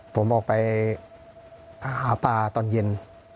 ผมออกไปหาปลาตอนเย็น